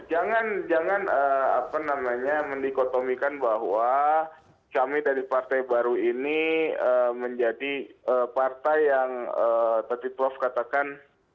jangan menikotomikan bahwa kami dari partai baru ini menjadi partai yang tadi prof katakan